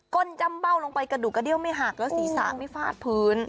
้นจำเบ้าลงไปกระดูกกระเดี้ยวไม่หักแล้วศีรษะไม่ฟาดพื้น